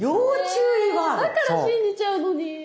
えだから信じちゃうのに。